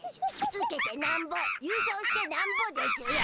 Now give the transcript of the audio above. ウケてなんぼ優勝してなんぼでしゅよ。